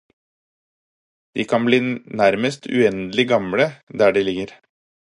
De kan bli nærmest uendelig gamle der de ligger.